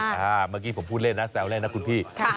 หมักงี้ผมพูดเล่นนะแซวเด้ยนะคุณพี่